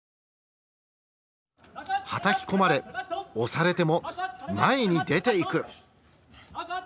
はたき込まれ押されても前に出ていく。